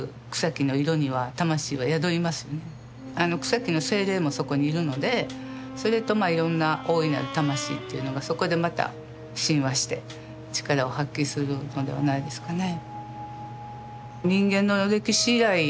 草木の精霊もそこにいるのでそれといろんな大いなる魂というのがそこでまた親和して力を発揮するのではないですかね。